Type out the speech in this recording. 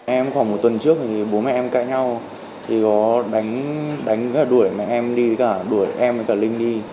em khoảng một tuần trước thì bố mẹ em cãi nhau thì có đánh đuổi mẹ em đi đuổi em và cả linh đi